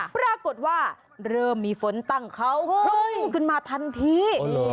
ปรากฏว่าเริ่มมีฝนตั้งเขาพรุ่งขึ้นมาทันที